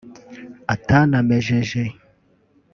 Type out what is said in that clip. atanamejeje